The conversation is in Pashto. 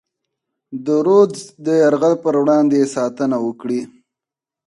د رودز د یرغل پر وړاندې یې ساتنه وکړي.